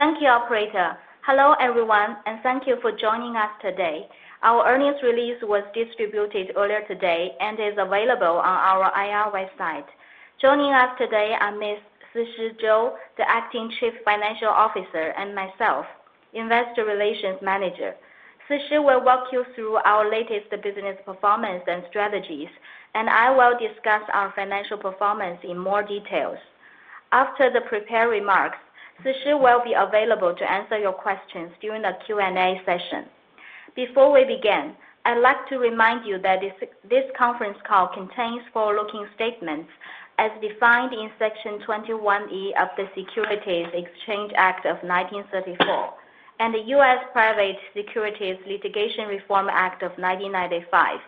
Thank you, Operator. Hello everyone, and thank you for joining us today. Our earnings release was distributed earlier today and is available on our IR website. Joining us today are Ms. Sishi Zhou, the Acting Chief Financial Officer, and myself, Investor Relations Manager. Sishi will walk you through our latest business performance and strategies, and I will discuss our financial performance in more details. After the prepared remarks, Sishi will be available to answer your questions during the Q&A session. Before we begin, I'd like to remind you that this conference call contains forward-looking statements as defined in Section 21(e) of the Securities and Exchange Act of 1934 and the U.S. Private Securities Litigation Reform Act of 1995.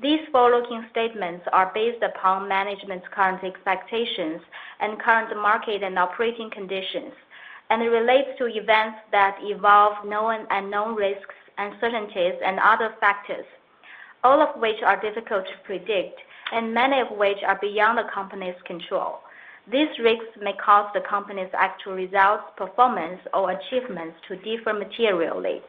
These forward-looking statements are based upon management's current expectations and current market and operating conditions, and relate to events that involve known and unknown risks, uncertainties, and other factors, all of which are difficult to predict, and many of which are beyond the company's control. These risks may cause the company's actual results, performance, or achievements to differ materially.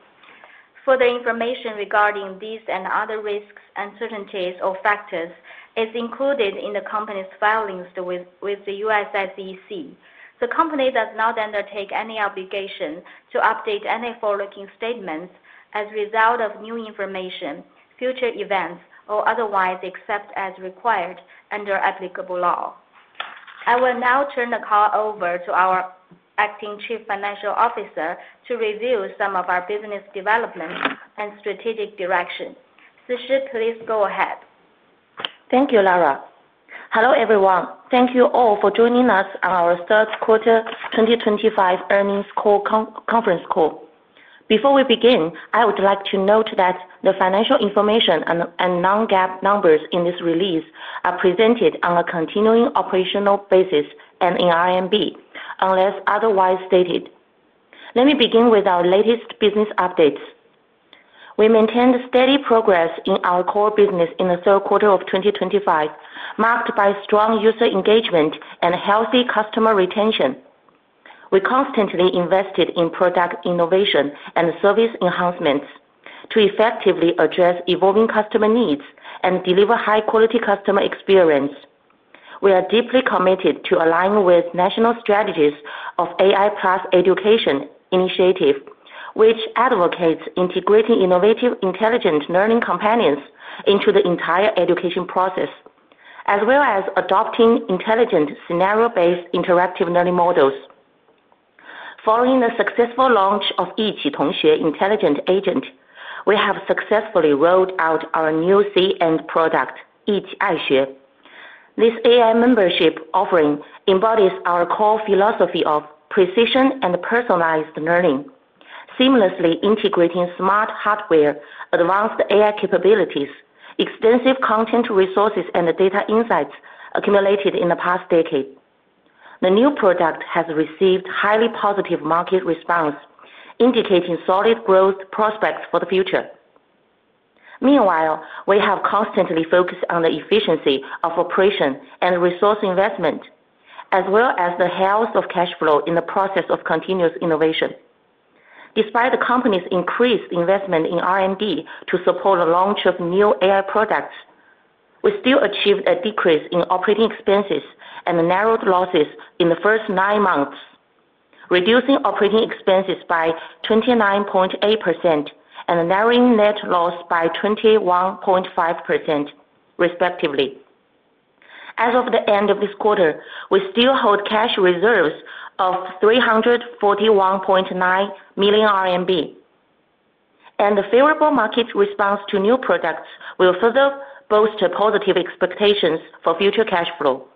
Further information regarding these and other risks, uncertainties, or factors is included in the company's filings with the USSEC. The company does not undertake any obligation to update any forward-looking statements as a result of new information, future events, or otherwise except as required under applicable law. I will now turn the call over to our Acting Chief Financial Officer to review some of our business developments and strategic direction. Sishi, please go ahead. Thank you, Lara. Hello everyone. Thank you all for joining us on our third quarter 2025 earnings conference call. Before we begin, I would like to note that the financial information and non-GAAP numbers in this release are presented on a continuing operational basis and in RMB, unless otherwise stated. Let me begin with our latest business updates. We maintained steady progress in our core business in the third quarter of 2025, marked by strong user engagement and healthy customer retention. We constantly invested in product innovation and service enhancements to effectively address evolving customer needs and deliver high-quality customer experience. We are deeply committed to align with national strategies of the AI+ Education Initiative, which advocates integrating innovative intelligent learning components into the entire education process, as well as adopting intelligent scenario-based interactive learning models. Following the successful launch of each Tongxue Intelligent Agent, we have successfully rolled out our new CEN product, 17Xue. This AI membership offering embodies our core philosophy of precision and personalized learning, seamlessly integrating smart hardware, advanced AI capabilities, extensive content resources, and data insights accumulated in the past decade. The new product has received highly positive market response, indicating solid growth prospects for the future. Meanwhile, we have constantly focused on the efficiency of operation and resource investment, as well as the health of cash flow in the process of continuous innovation. Despite the company's increased investment in R&D to support the launch of new AI products, we still achieved a decrease in operating expenses and narrowed losses in the first nine months, reducing operating expenses by 29.8% and narrowing net loss by 21.5%, respectively. As of the end of this quarter, we still hold cash reserves of 341.9 million RMB, and the favorable market response to new products will further boost positive expectations for future cash flow.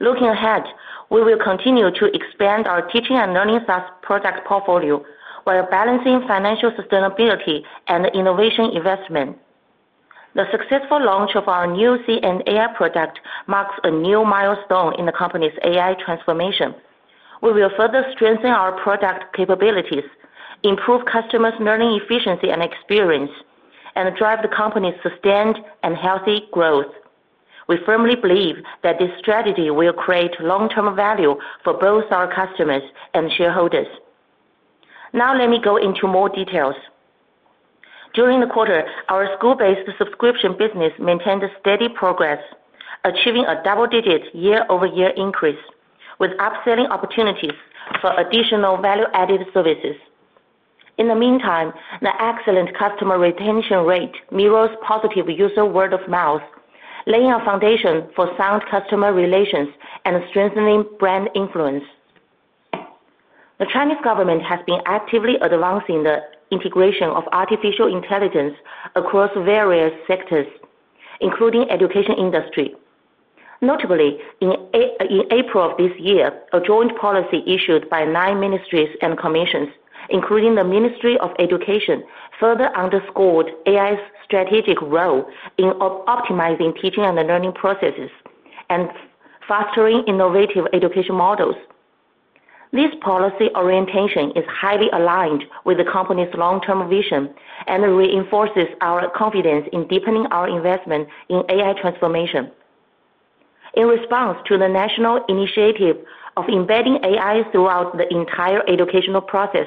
Looking ahead, we will continue to expand our teaching and learning product portfolio while balancing financial sustainability and innovation investment. The successful launch of our new CEN AI product marks a new milestone in the company's AI transformation. We will further strengthen our product capabilities, improve customers' learning efficiency and experience, and drive the company's sustained and healthy growth. We firmly believe that this strategy will create long-term value for both our customers and shareholders. Now, let me go into more details. During the quarter, our school-based subscription business maintained steady progress, achieving a double-digit year-over-year increase, with upselling opportunities for additional value-added services. In the meantime, the excellent customer retention rate mirrors positive user word-of-mouth, laying a foundation for sound customer relations and strengthening brand influence. The Chinese government has been actively advancing the integration of artificial intelligence across various sectors, including the education industry. Notably, in April of this year, a joint policy issued by nine ministries and commissions, including the Ministry of Education, further underscored AI's strategic role in optimizing teaching and learning processes and fostering innovative education models. This policy orientation is highly aligned with the company's long-term vision and reinforces our confidence in deepening our investment in AI transformation. In response to the national initiative of embedding AI throughout the entire educational process,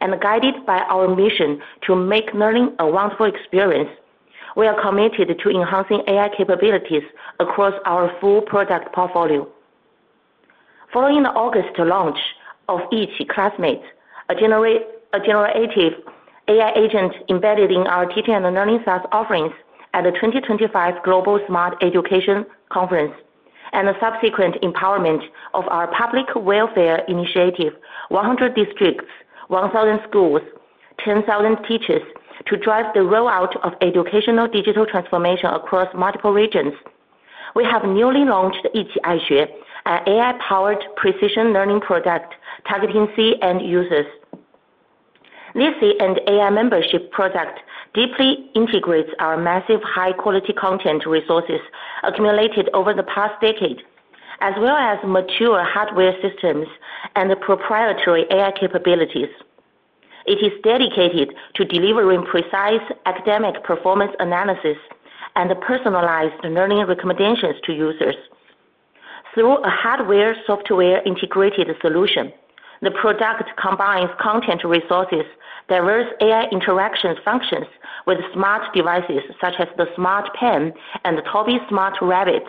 and guided by our mission to make learning a wonderful experience, we are committed to enhancing AI capabilities across our full product portfolio. Following the August launch of Tongxue, a generative AI agent embedded in our teaching and learning offerings at the 2025 Global Smart Education Conference, and the subsequent empowerment of our public welfare initiative, 100 districts, 1,000 schools, 10,000 teachers to drive the rollout of educational digital transformation across multiple regions, we have newly launched 17Xue, an AI-powered precision learning product targeting CEN users. This CEN AI membership product deeply integrates our massive high-quality content resources accumulated over the past decade, as well as mature hardware systems and proprietary AI capabilities. It is dedicated to delivering precise academic performance analysis and personalized learning recommendations to users. Through a hardware-software integrated solution, the product combines content resources, diverse AI interaction functions, with smart devices such as the Smart Pen and Tuobitu Smart Rabbit,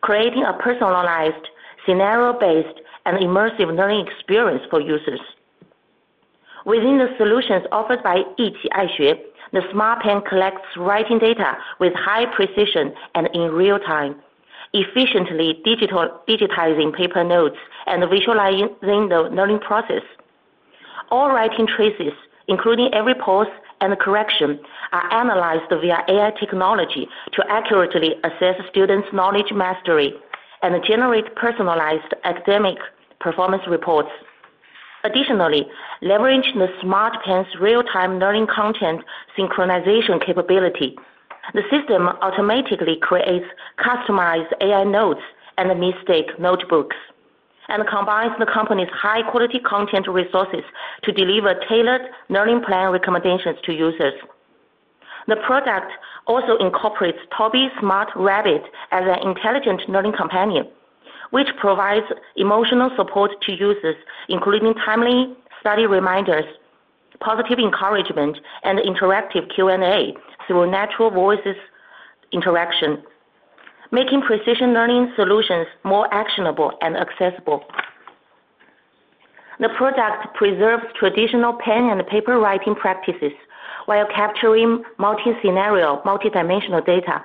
creating a personalized, scenario-based, and immersive learning experience for users. Within the solutions offered by 17Xue, the Smart Pen collects writing data with high precision and in real time, efficiently digitizing paper notes and visualizing the learning process. All writing traces, including every pause and correction, are analyzed via AI technology to accurately assess students' knowledge mastery and generate personalized academic performance reports. Additionally, leveraging the Smart Pen's real-time learning content synchronization capability, the system automatically creates customized AI notes and mistake notebooks, and combines the company's high-quality content resources to deliver tailored learning plan recommendations to users. The product also incorporates Tuobitu Smart Rabbit as an intelligent learning companion, which provides emotional support to users, including timely study reminders, positive encouragement, and interactive Q&A through natural voices interaction, making precision learning solutions more actionable and accessible. The product preserves traditional pen and paper writing practices while capturing multi-scenario, multi-dimensional data.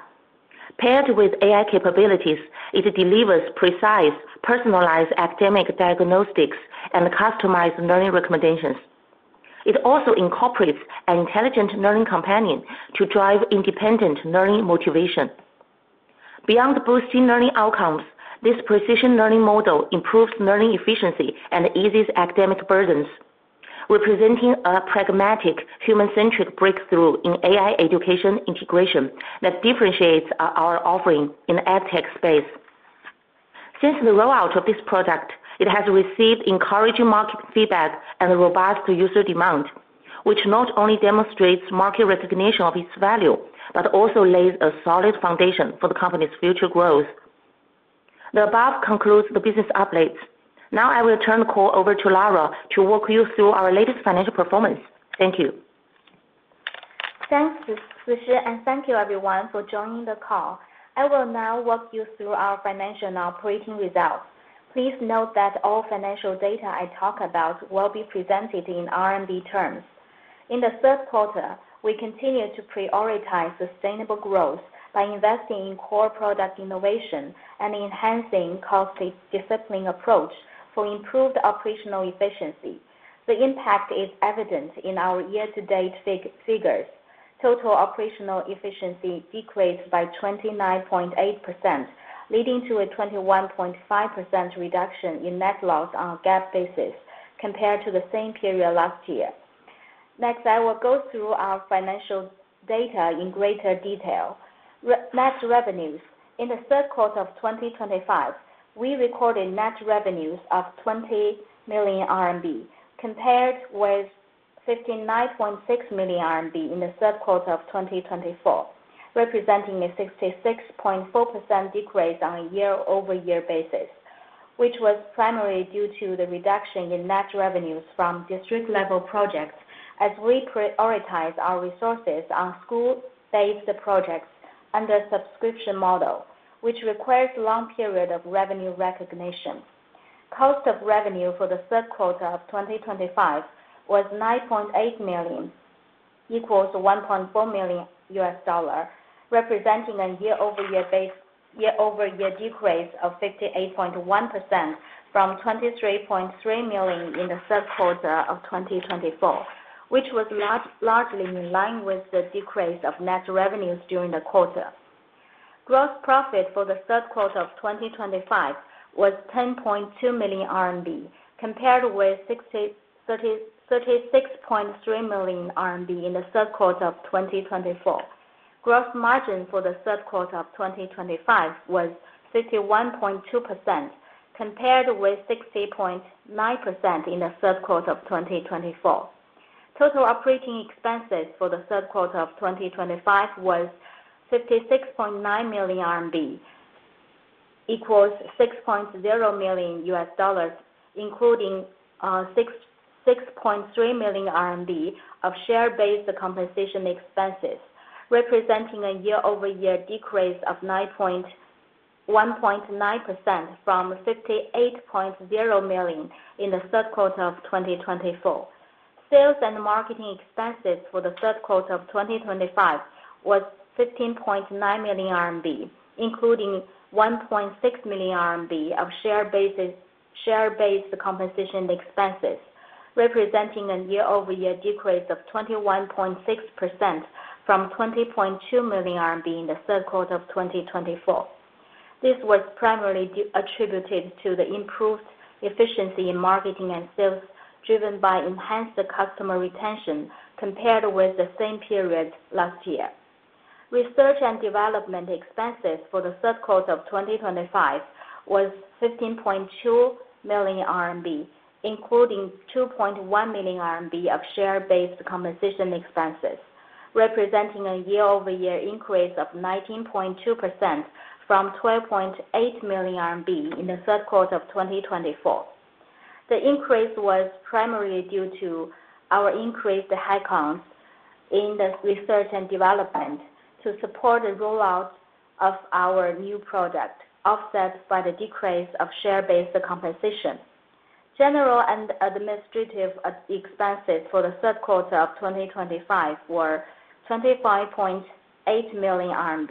Paired with AI capabilities, it delivers precise, personalized academic diagnostics and customized learning recommendations. It also incorporates an intelligent learning companion to drive independent learning motivation. Beyond boosting learning outcomes, this precision learning model improves learning efficiency and eases academic burdens, representing a pragmatic, human-centric breakthrough in AI education integration that differentiates our offering in the edtech space. Since the rollout of this product, it has received encouraging market feedback and robust user demand, which not only demonstrates market recognition of its value but also lays a solid foundation for the company's future growth. The above concludes the business updates. Now, I will turn the call over to Lara to walk you through our latest financial performance. Thank you. Thanks, Sishi, and thank you everyone for joining the call. I will now walk you through our financial and operating results. Please note that all financial data I talk about will be presented in RMB terms. In the third quarter, we continue to prioritize sustainable growth by investing in core product innovation and enhancing cost-disciplined approach for improved operational efficiency. The impact is evident in our year-to-date figures. Total operational efficiency decreased by 29.8%, leading to a 21.5% reduction in net loss on a GAAP basis compared to the same period last year. Next, I will go through our financial data in greater detail. Net revenues. In the third quarter of 2025, we recorded net revenues of 20 million RMB, compared with 59.6 million RMB in the third quarter of 2024, representing a 66.4% decrease on a year-over-year basis, which was primarily due to the reduction in net revenues from district-level projects as we prioritized our resources on school-based projects under a subscription model, which requires a long period of revenue recognition. Cost of revenue for the third quarter of 2025 was 9.8 million, equals $1.4 million, representing a year-over-year decrease of 58.1% from 23.3 million in the third quarter of 2024, which was largely in line with the decrease of net revenues during the quarter. Gross profit for the third quarter of 2025 was 10.2 million RMB, compared with 36.3 million RMB in the third quarter of 2024. Gross margin for the third quarter of 2025 was 51.2%, compared with 60.9% in the third quarter of 2024. Total operating expenses for the third quarter of 2025 was CNY 56.9 million, equals $6.0 million, including 6.3 million RMB of share-based compensation expenses, representing a year-over-year decrease of 1.9% from 58.0 million in the third quarter of 2024. Sales and marketing expenses for the third quarter of 2025 was 15.9 million RMB, including 1.6 million RMB of share-based compensation expenses, representing a year-over-year decrease of 21.6% from 20.2 million RMB in the third quarter of 2024. This was primarily attributed to the improved efficiency in marketing and sales, driven by enhanced customer retention compared with the same period last year. Research and development expenses for the third quarter of 2025 was 15.2 million RMB, including 2.1 million RMB of share-based compensation expenses, representing a year-over-year increase of 19.2% from 12.8 million RMB in the third quarter of 2024. The increase was primarily due to our increased headcounts in the research and development to support the rollout of our new product, offset by the decrease of share-based compensation. General and administrative expenses for the third quarter of 2025 were 25.8 million RMB,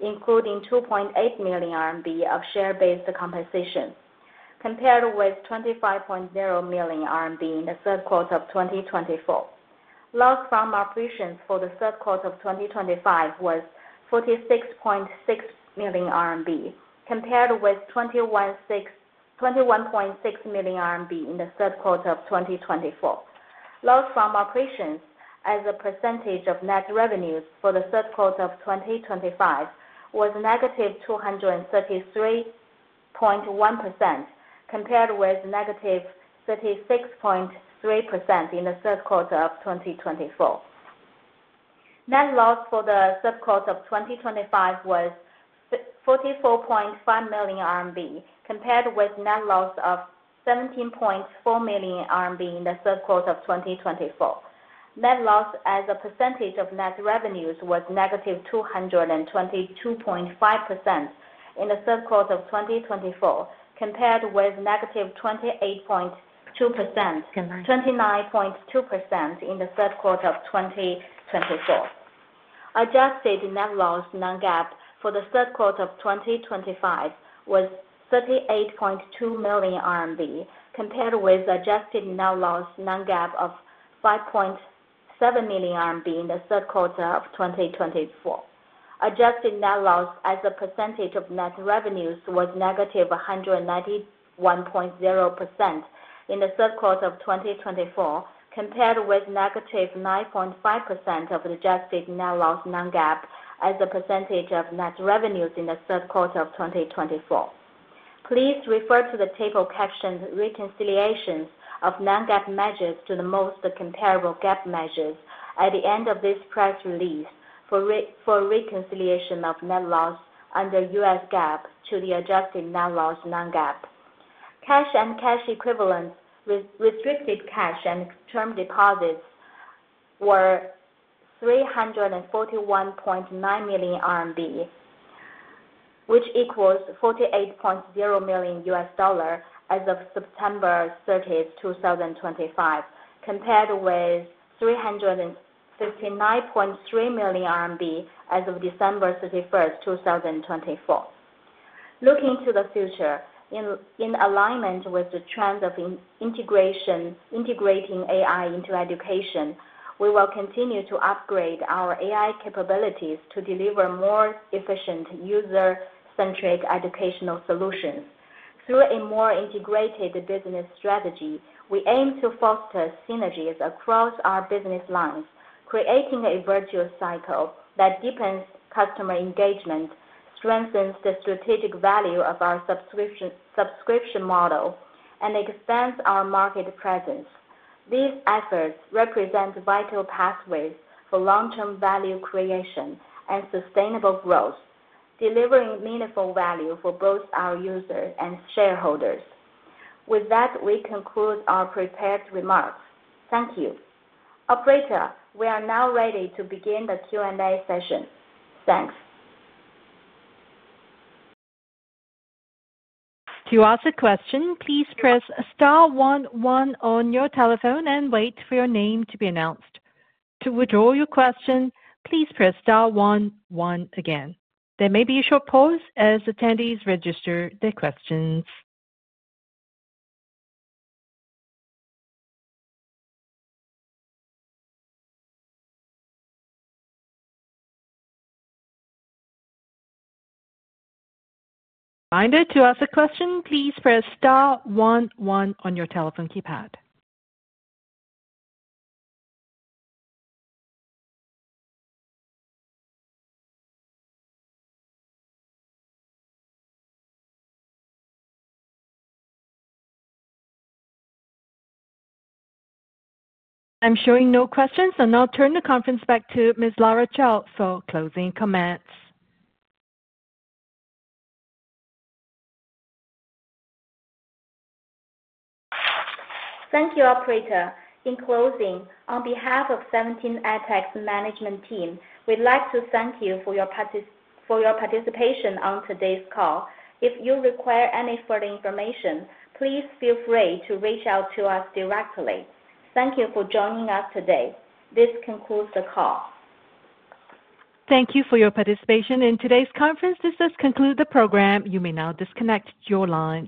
including 2.8 million RMB of share-based compensation, compared with 25.0 million RMB in the third quarter of 2024. Loss from operations for the third quarter of 2025 was 46.6 million RMB, compared with 21.6 million RMB in the third quarter of 2024. Loss from operations as a percentage of net revenues for the third quarter of 2025 was negative 233.1%, compared with negative 36.3% in the third quarter of 2024. Net loss for the third quarter of 2025 was 44.5 million RMB, compared with net loss of 17.4 million RMB in the third quarter of 2024. Net loss as a percentage of net revenues was negative 222.5% in the third quarter of 2025, compared with negative 28.2% in the third quarter of 2024. Adjusted net loss non-GAAP for the third quarter of 2025 was 38.2 million RMB, compared with adjusted net loss non-GAAP of 5.7 million RMB in the third quarter of 2024. Adjusted net loss as a percentage of net revenues was negative 191.0% in the third quarter of 2024, compared with negative 9.5% of adjusted net loss non-GAAP as a percentage of net revenues in the third quarter of 2024. Please refer to the table captioned "Reconciliations of non-GAAP measures to the most comparable GAAP measures" at the end of this press release for reconciliation of net loss under U.S. GAAP to the adjusted net loss non-GAAP. Cash and cash equivalents, restricted cash and term deposits were RMB 341.9 million, which equals $48.0 million as of September 30, 2025, compared with 359.3 million RMB as of December 31, 2024. Looking to the future, in alignment with the trend of integrating AI into education, we will continue to upgrade our AI capabilities to deliver more efficient user-centric educational solutions. Through a more integrated business strategy, we aim to foster synergies across our business lines, creating a virtuous cycle that deepens customer engagement, strengthens the strategic value of our subscription model, and expands our market presence. These efforts represent vital pathways for long-term value creation and sustainable growth, delivering meaningful value for both our users and shareholders. With that, we conclude our prepared remarks. Thank you. Operator, we are now ready to begin the Q&A session. Thanks. To ask a question, please press star one one on your telephone and wait for your name to be announced. To withdraw your question, please press star one one again. There may be a short pause as attendees register their questions. Reminder to ask a question, please press star one one on your telephone keypad. I'm showing no questions, and I'll turn the conference back to Ms. Lara Chow for closing comments. Thank you, Operator. In closing, on behalf of 17 EdTech's management team, we'd like to thank you for your participation on today's call. If you require any further information, please feel free to reach out to us directly. Thank you for joining us today. This concludes the call. Thank you for your participation in today's conference. This does conclude the program. You may now disconnect your lines.